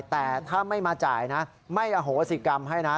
แต่ถ้าไม่มาจ่ายนะไม่อโหสิกรรมให้นะ